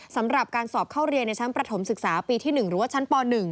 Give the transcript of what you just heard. สำหรับการสอบเข้าเรียนในชั้นประถมศึกษาปีที่๑หรือว่าชั้นป๑